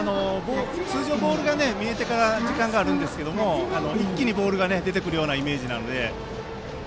通常、ボールが見えてから時間があるんですが一気にボールが出てくるようなイメージなので。